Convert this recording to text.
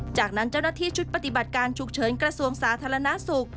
จากนั้นเจ้าหน้าที่ชุดปฏิบัติการฉุกเฉินกระทรวงสาธารณสุข